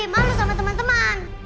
maru sama teman teman